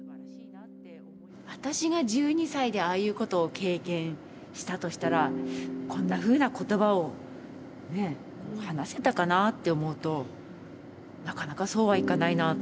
私が１２歳でああいうことを経験したとしたらこんなふうな言葉を話せたかなって思うとなかなかそうはいかないなと思って。